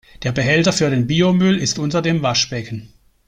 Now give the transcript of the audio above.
Der Behälter für den Biomüll ist unter dem Waschbecken.